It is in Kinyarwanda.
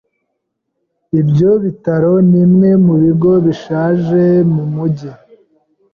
Ibyo bitaro nimwe mubigo bishaje mumujyi.